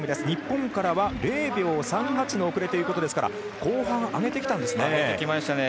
日本からは０秒３８の遅れということですから後半、上げてきたんですね。